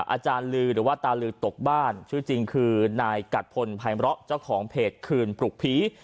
อาจารย์ลือหรือว่าตาลือตกบ้านชื่อจริงคือนายกัดพลภัยเลาะเจ้าของเพจคืนปลุกผี